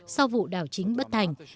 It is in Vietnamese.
sau vụ đảo chính bất thành